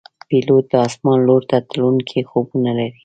پیلوټ د آسمان لور ته تلونکي خوبونه لري.